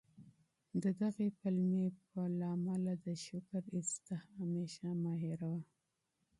د دغي پلمې په وجه د شکر ایسهمېشه مه هېروه.